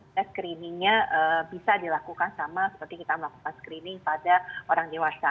atau screeningnya bisa dilakukan sama seperti kita melakukan screening pada orang dewasa